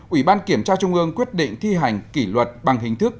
ủy ban kiểm tra trung ương quyết định thi hành kỷ luật bằng hình thức